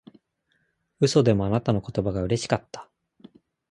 嘘でもあなたの言葉がうれしかった